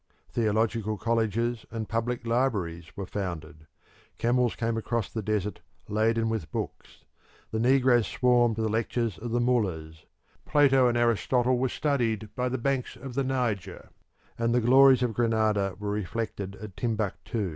Theological colleges and public libraries were founded; camels came across the desert laden with books; the negroes swarmed to the lectures of the mullahs; Plato and Aristotle were studied by the banks of the Niger, and the glories of Granada were reflected at Timbuktu.